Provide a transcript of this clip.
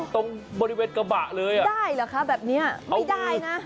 ตรงบริเวณกระบะเลยอ่ะได้เหรอคะแบบนี้ไม่ได้นะ